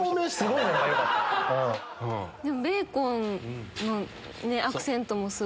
ベーコンのアクセントもすごい。